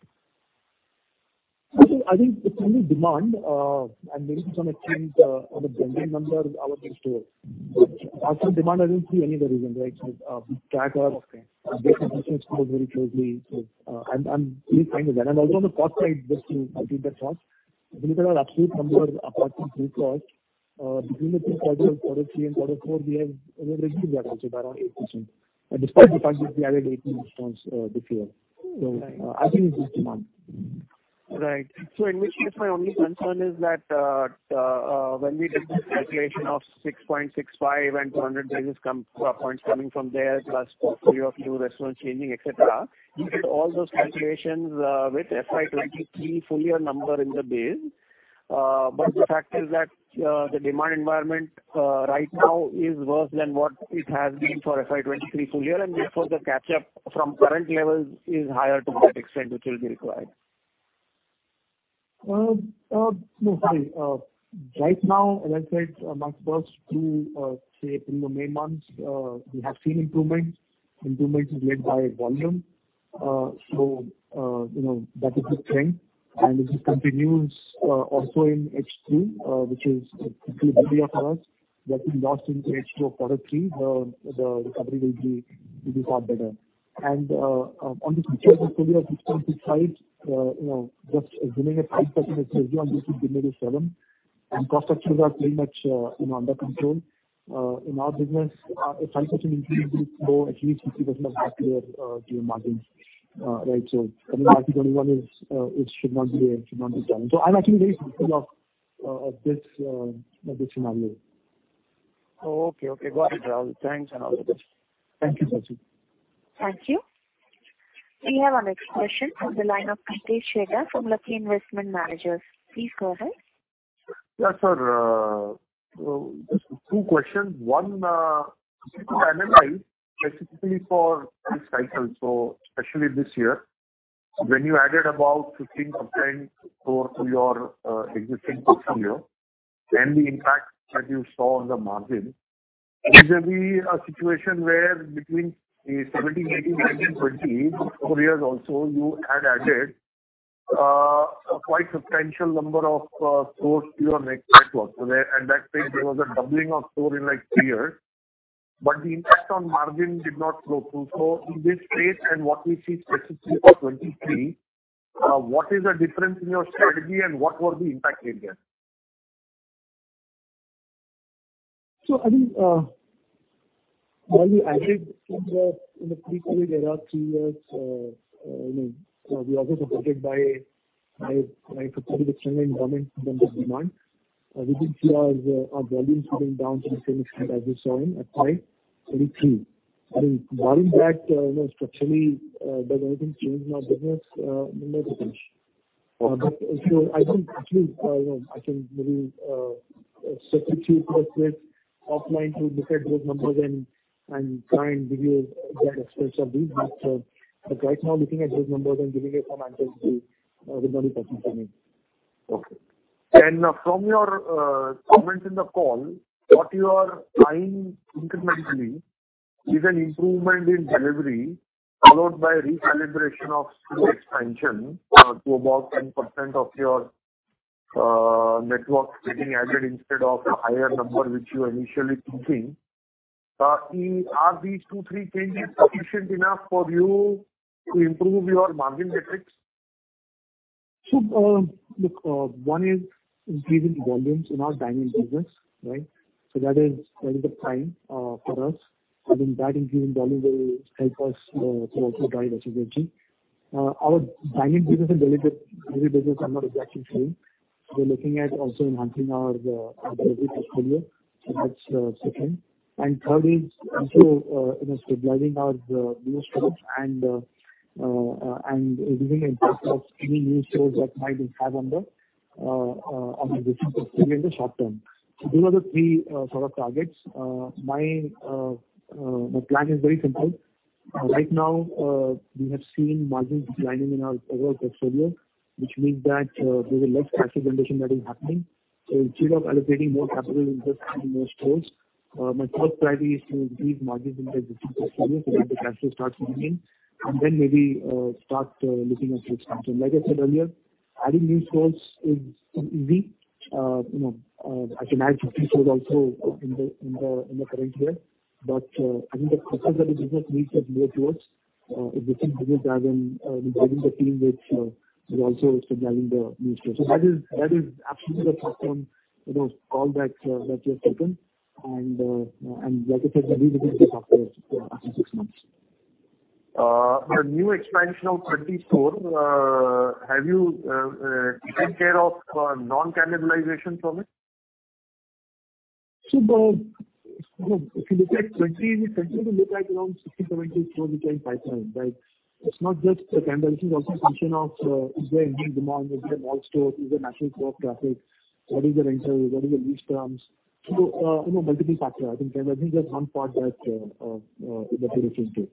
Speaker 4: I think it's only demand, and maybe some change on the branding number of our store. After demand, I don't see any other reason, right? We track our very closely. I'm really fine with that. Also on the cost side, just to add to that thought, if you look at our absolute numbers, apart from food cost, between the two quarters, quarter three and quarter four, we have reduced that also by around 8%, despite the fact that we added 18 stores this year. I think it's just demand.
Speaker 10: Right. In which case, my only concern is that when we did this calculation of 6.65 and 200 basis points coming from there, plus three of new restaurant changing, et cetera, you did all those calculations with FY 2023 full year number in the base. The fact is that the demand environment right now is worse than what it has been for FY 2023 full year, and therefore the catch up from current levels is higher to what extent which will be required.
Speaker 4: No, sorry. Right now, as I said, among first two, say, in the May months, we have seen improvements. Improvements is led by volume. So, you know, that is a good thing. If it continues, also in H2, which is for us, that we lost in H2 of quarter three, the recovery will be far better. On the future portfolio 65, you know, just assuming a 5% on this, it will be 7%, and cost structures are pretty much, you know, under control. In our business, a 5% increase will grow at least 50% of our clear GM margins. Right, so I mean, FY 2021 is, it should not be a challenge. I'm actually very positive of this, of this scenario.
Speaker 10: Oh, okay. Okay, got it. Thanks and all the best.
Speaker 4: Thank you, Percy.
Speaker 1: Thank you. We have our next question from the line of Pritesh Chheda from Lucky Investment Managers. Please go ahead.
Speaker 11: Yes, sir, just two questions. One, specifically for this cycle, especially this year, when you added about 15% store to your existing portfolio and the impact that you saw on the margin, is there be a situation where between 2017, 2018, 2019, 2020, four years also, you had added a quite substantial number of stores to your next network. At that stage, there was a doubling of store in, like, three years, but the impact on margin did not go through. In this case, and what we see specifically for 2023, what is the difference in your strategy and what was the impact made there?
Speaker 4: I think, while we added in the, in the pre-COVID era, two years, you know, we also supported by possibly the trend in government demand. We did see our volumes coming down to the same extent as we saw in at point 23. I mean, while that, you know, structurally, does anything change in our business? Not much. If you, I think, actually, you know, I think maybe, substitute with offline to look at those numbers and try and give you that expense of these. Right now, looking at those numbers and giving you some answers will be very tough for me.
Speaker 11: Okay. From your comments in the call, what you are finding incrementally is an improvement in delivery, followed by recalibration of store expansion, to about 10% of your network getting added instead of a higher number, which you were initially thinking. Are these two, three changes sufficient enough for you to improve your margin metrics?
Speaker 4: Look, one is increasing volumes in our diamond business, right? That is, that is the prime for us. I think that increasing volume will help us to also drive profitability. Our diamond business and delivery business are not exactly same. We're looking at also enhancing our delivery portfolio, so that's second. Third is also, you know, stabilizing our new stores and giving impact of any new stores that might have under on our business in the short term. Those are the three sort of targets. My plan is very simple. Right now, we have seen margins declining in our overall portfolio, which means that there is less capital condition that is happening. Instead of allocating more capital interest in more stores, my first priority is to increase margins in the existing portfolio, so that the capital starts coming in, and then maybe, start looking at the expansion. Like I said earlier, adding new stores is easy. You know, I can add 50 stores also in the current year. I think the focus of the business needs to be towards existing business rather than building the team, which is also driving the new store. That is absolutely the first term, you know, call that we have taken. Like I said, we will look at this after six months.
Speaker 11: The new expansion of 20 store, have you taken care of non-cannibalization from it?
Speaker 4: If you look at 20, we essentially look at around 60, 70 stores which are pipeline, right? It's not just the cannibalization, also a function of, is there increasing demand in the mall store? Is the national traffic? What is the rental? What is the lease terms? You know, multiple factors. I think cannibalization is just one part that we refer to.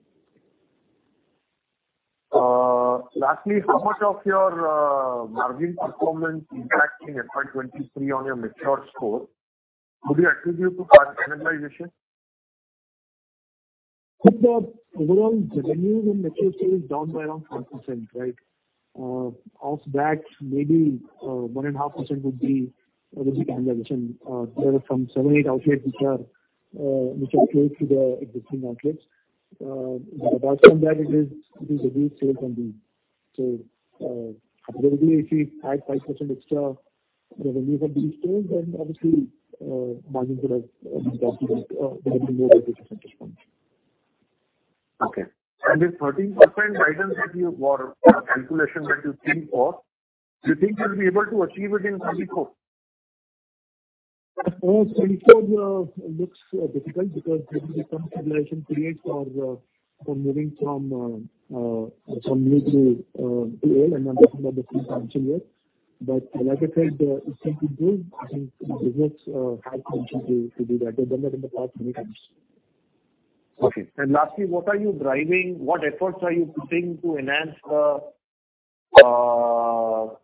Speaker 11: Lastly, how much of your margin performance impacting FY 2023 on your mature store, would you attribute to cannibalization?
Speaker 4: The overall revenue in mature stores is down by around 4%, right? Of that, maybe, 1.5% would be cannibalization, from seven, eight outlets which are close to the existing outlets. Apart from that, it is reduced sales from these. If we add 5% extra revenues of these stores, then obviously, margins would have been down to, maybe more than 50% response.
Speaker 11: Okay. this 13% guidance that you got, calculation that you think of, you think you'll be able to achieve it in 2024?
Speaker 4: cult because the cannibalization creates for moving from new to old, and I am talking about the function here. But like I said, it's simple to do. I think the business has function to do that. They've done that in the past many times.
Speaker 11: Okay. Lastly, what efforts are you putting to enhance the sales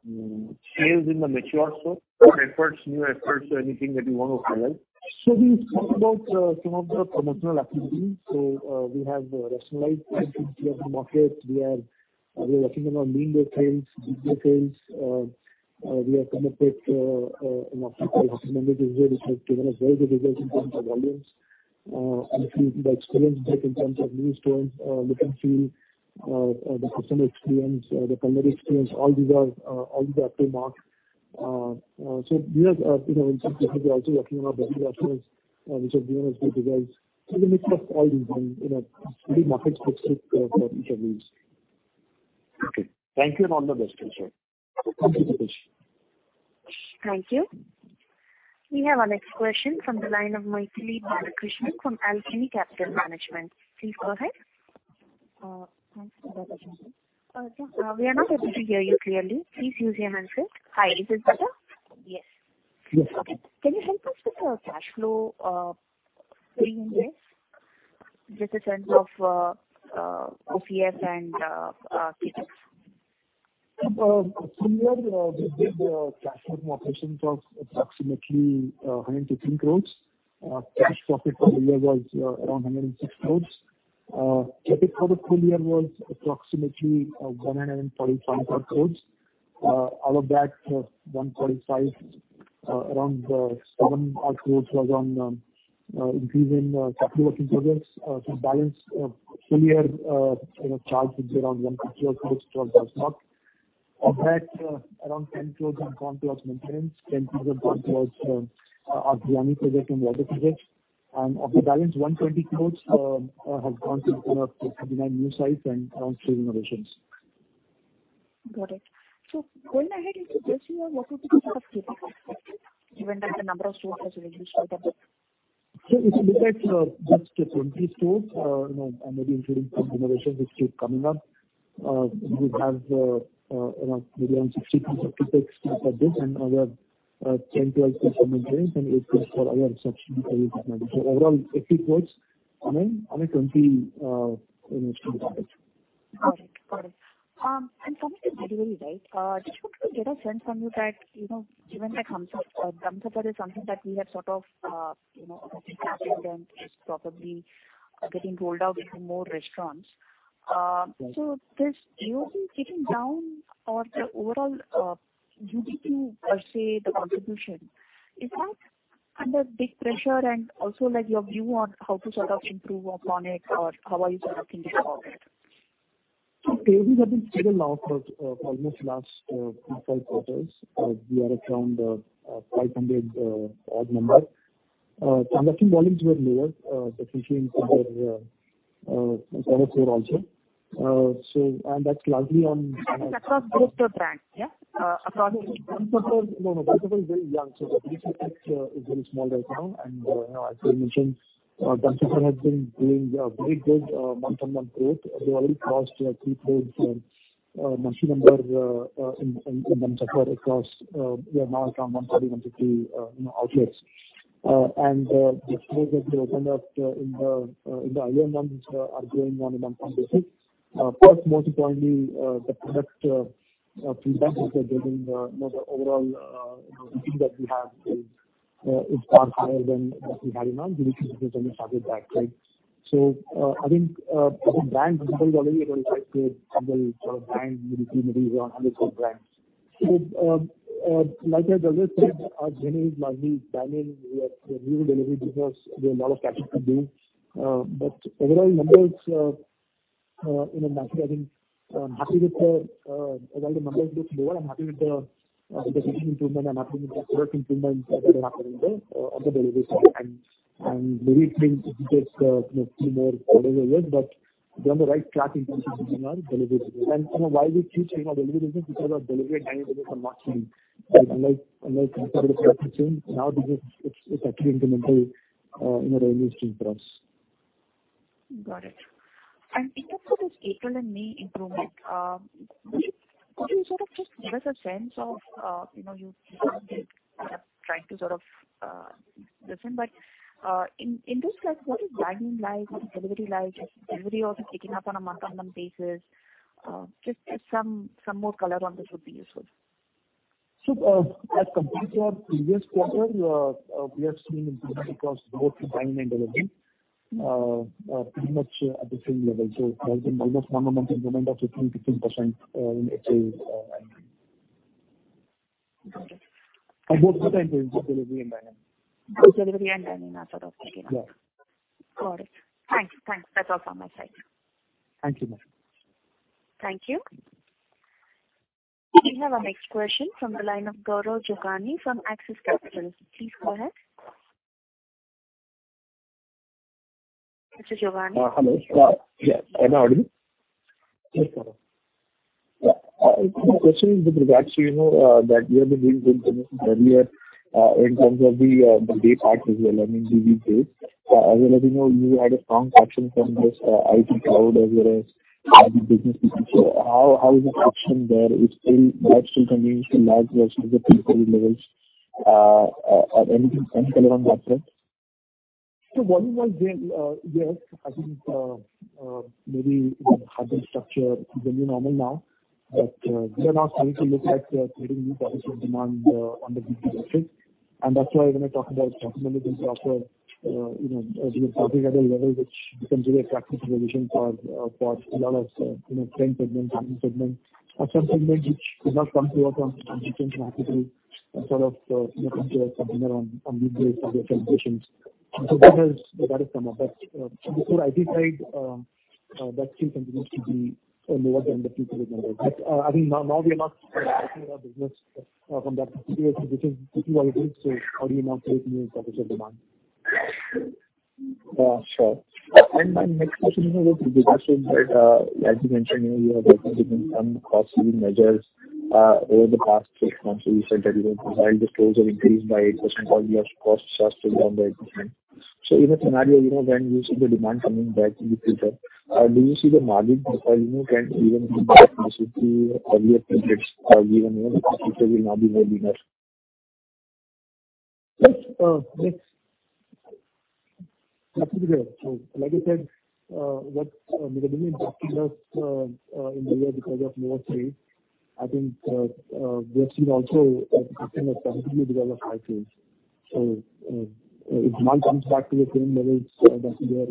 Speaker 11: in the mature stores? What efforts, new efforts, or anything that you want to highlight?
Speaker 4: We've talked about some of the promotional activities. We have rationalized the market. We are working on linear trails, digital trails. We have come up with, you know, members, which have given us very good results in terms of volumes. The experience built in terms of new stores, look and feel, the customer experience, the primary experience, all these are all the up to mark. We have, you know, we're also working on our brand experience, which have given us good results. The mix of all these things, you know, really market fixed it for each of these.
Speaker 11: Okay. Thank you, and all the best, sir.
Speaker 4: Thank you, Pritesh.
Speaker 1: Thank you. We have our next question from the line of Mythili Balakrishnan from Alchemy Capital Management. Please go ahead.
Speaker 12: Thanks.
Speaker 1: We are not able to hear you clearly. Please use your handset.
Speaker 12: Hi, is this better?
Speaker 1: Yes.
Speaker 4: Yes.
Speaker 12: Okay. Can you help us with the cash flow, three in this, just in terms of OCF and CapEx?
Speaker 4: Similar, we did cash from operations was approximately 113 crores. Cash profit for the year was around 106 crores. CapEx for the full year was approximately 145 crores. Out of that 145, around 7 crores was on increasing capital working projects. So balance of full year, you know charge would be around 150 crores or plus or minus. Of that, around 10 crores have gone towards maintenance, 10 crores have gone towards our project and other projects. Of the balance, 120 crores has gone to open up new sites and around store renovations.
Speaker 12: Got it. Going ahead into this year, what would be the setup CapEx, even though the number of stores has reduced by just-
Speaker 4: If you look at, just the 20 stores, you know, and maybe including some innovations which keep coming up, we have, you know, maybe around 60 piece of topics for this and other, 10+ for seven days, and eight days for other sections. Overall, INR 80 crores on a, on a 20, you know, store product.
Speaker 12: Got it. Got it. Something is really right. Just want to get a sense from you that, you know, given that Dum Safar is something that we have sort of, you know, and is probably getting rolled out into more restaurants. This using kicking down or the overall, UDP, per se, the contribution, is that under big pressure? Also, like, your view on how to sort of improve upon it or how are you sort of thinking about it?
Speaker 4: we have been seeing a lot of, almost last, three, four quarters. we are around, 500, odd number. conducting volumes were lower, but we changed our, also. that's largely on-
Speaker 12: Across both the brands, yeah?
Speaker 4: No, no, Dum Safar is very young, so the business is very small right now. You know, as I mentioned, Dum Safar has been doing a very good month-on-month growth. We've already crossed 3 crore monthly number in Dum Safar across we are now around 130-150, you know, outlets. And the stores that we opened up in the in the earlier months are growing on a month-on-month basis. First, most importantly, the product feedback that they're getting, you know, the overall, you know, feedback that we have is far higher than what we had in mind when we started back, right? I think brand visibility is very high with several brand, maybe 100 brands. Like I said, our journey is mainly dining. We are new delivery business. We have a lot of catching to do. Overall numbers, you know, I think I'm happy with the, although the numbers look lower, I'm happy with the decision improvement. I'm happy with the improvement that are happening there, on the delivery side. Maybe it takes, you know, two more quarters or less, but we're on the right track in our delivery. You know, why we keep saying our delivery business? Because our delivery and dining business are not same. Unlike, now, because it's actually incremental, you know, revenue stream for us.
Speaker 12: Got it. In terms of this April and May improvement, could you sort of just give us a sense of, you know, you trying to sort of listen, but in this case, what is dining like? What is delivery like? Is delivery also picking up on a month-on-month basis? Just some more color on this would be useful.
Speaker 4: As compared to our previous quarter, we have seen improvement across both dining and delivery, pretty much at the same level. There's been, you know, month-on-month improvement of 15% in H1.
Speaker 12: Got it.
Speaker 4: Both the delivery and dining.
Speaker 12: Both delivery and dining are sort of picking up.
Speaker 4: Yeah.
Speaker 12: Got it. Thanks. Thanks. That's all from my side.
Speaker 4: Thank you, ma'am.
Speaker 1: Thank you. We have our next question from the line of Gaurav Jogani from Axis Capital. Please go ahead. Mr. Jogani?
Speaker 13: Hello. Can you hear me?
Speaker 4: Yes.
Speaker 13: My question is with regards to, you know, that you have been doing good earlier, in terms of the date parts as well, I mean, the dates. As well as you know, you had a strong traction from this, IT cloud as well as other businesses. How, how is the traction there? That still continues to lag the pre-COVID levels, anything, any color on that front?
Speaker 4: Volume-wise, yes, I think, maybe the harder structure is very normal now. We are now starting to look at creating new products of demand on the business, and that's why when I talk about fundamentally being proper, you know, at a level which becomes really attractive solution for a lot of, you know, segment, or some segment which did not come to us and quickly and sort of come to us on mid basis. That has, that is some of that. So the IT side, that still continues to be lower than the pre-COVID numbers. I mean, now we are not business from that perspective, which is what we did. How do you now create new products of demand?
Speaker 13: Sure. My next question is about the business. As you mentioned, you know, you have taken some costly measures over the past six months. You said that, you know, while the stores are increased by 8%, but your costs are still down by 8%. In a scenario, you know, when you see the demand coming back in the future, do you see the margin, you know, can even come back to earlier periods, even though the future will not be very enough?
Speaker 4: Yes. Like you said, what maybe impacted us in the year because of lower trade, I think, we have seen also continue to develop high trades. If not comes back to the same levels, that there,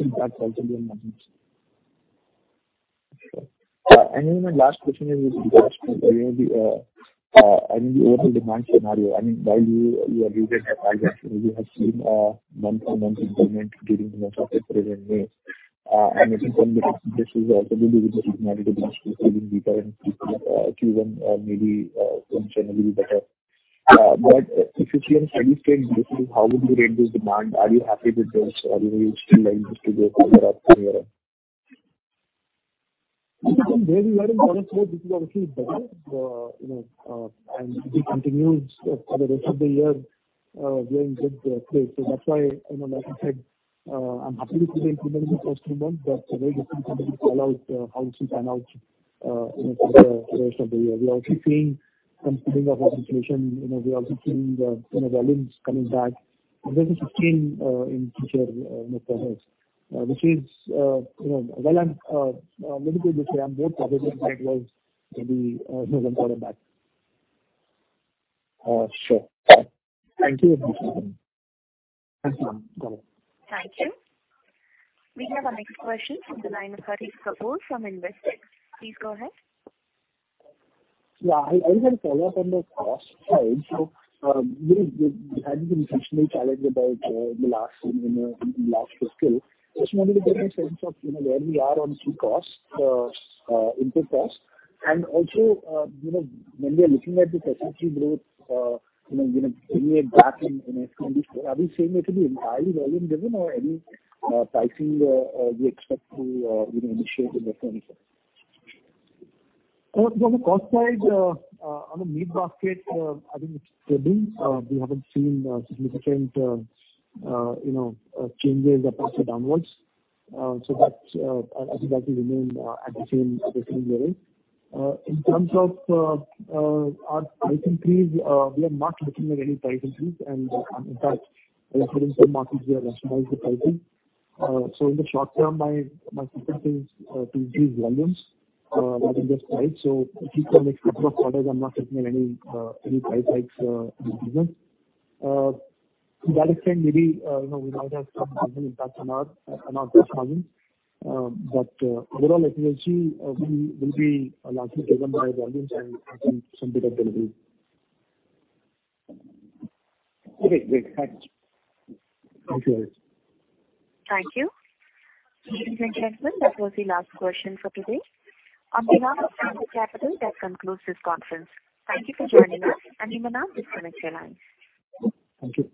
Speaker 4: impact also be on margins.
Speaker 13: Sure. Then my last question is with regards to the, I mean, the overall demand scenario. I mean, while you are using that, you have seen month-on-month improvement during the month of April and May. I think this is also due to the seasonality, even deeper and even maybe generally better. If you see on a steady state basis, how would you rate this demand? Are you happy with this, or you still like this to go further up from here?
Speaker 4: From where we were in quarter four, this is actually better. You know, and we continue for the rest of the year doing good place. That's why, like I said, I'm happy with the improvement in the first three months, but very different companies roll out houses and out for the rest of the year. We are also seeing some picking up of situation. We are also seeing the volumes coming back. This is seen in future, perhaps, which is, well, I'm, let me put it this way, I'm more positive that was to be coming back.
Speaker 13: Sure. Thank you.
Speaker 4: Thank you.
Speaker 1: Thank you. We have our next question from the line of Harit Kapoor from Investec. Please go ahead.
Speaker 7: Yeah, I just had a follow-up on the cost side. You had been challenged about the last, you know, last fiscal. Just wanted to get a sense of, you know, where we are on two costs, input costs. Also, you know, when we are looking at the SSSG growth, you know, back in FY 2024, are we saying it will be entirely volume driven or any pricing we expect to, you know, initiate in the financial?
Speaker 4: On the cost side, on the meat basket, I think it's stable. We haven't seen significant, you know, changes approaching downwards. So that, I think that will remain at the same way. In terms of our pricing increase, we are not looking at any price increase. In fact, according to the market, we are rationalizing the pricing. In the short term, my focus is to increase volumes rather than just price. At least for the next couple of quarters, I'm not looking at any price hikes in the business. To that extent, maybe, you know, we might have some impact on our gross margins. Overall efficiency will be largely driven by volumes and some bit of delivery.
Speaker 7: Okay, great. Thanks.
Speaker 4: Thank you.
Speaker 1: Thank you. Ladies and gentlemen, that was the last question for today. On behalf of Ambit Capital, that concludes this conference. Thank you for joining us. You may now disconnect your lines.
Speaker 4: Thank you.